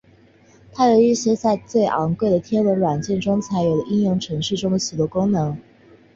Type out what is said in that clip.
它有一些在最昂贵的天文软体中才有的应用程式中的许多功能。